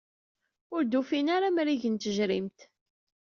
Ur d-ufin ara amrig n tejrimt.